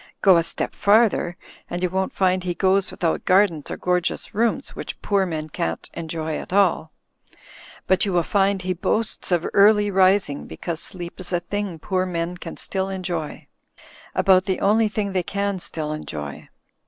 Go a step farther, and you won't find he goes without gardens or gor geous rooms, which poor men can't enjoy at all. Bu^ l8o THE FLYING INN you will find he boasts of early rising, because sleep is a thing poor men can still enjoy. About the only thing they can still enjoy.